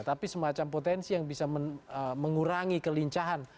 tapi semacam potensi yang bisa mengurangi kelincahan